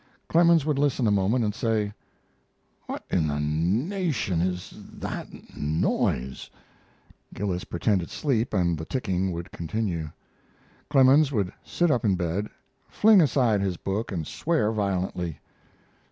Clemens would listen a moment and say: "What in the nation is that noise" Gillis's pretended sleep and the ticking would continue. Clemens would sit up in bed, fling aside his book, and swear violently.